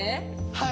はい。